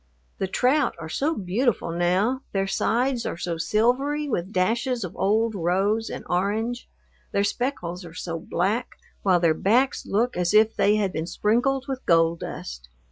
The trout are so beautiful now, their sides are so silvery, with dashes of old rose and orange, their speckles are so black, while their backs look as if they had been sprinkled with gold dust.